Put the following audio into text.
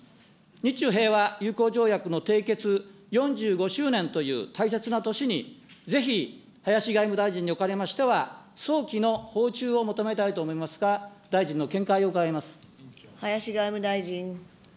日中平和友好条約の締結４５周年という大切な年に、ぜひ林外務大臣におかれましては、早期の訪中を求めたいと思います林外務大臣。